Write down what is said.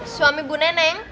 suami bu neneng